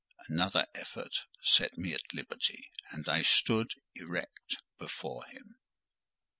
Another effort set me at liberty, and I stood erect before him.